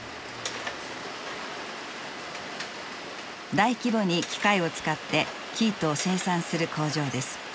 大規模に機械を使って生糸を生産する工場です。